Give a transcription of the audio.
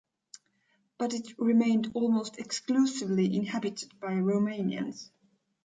But it remained almost exclusively inhabited by Romanians.